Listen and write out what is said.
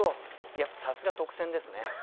やっぱさすが特選ですね。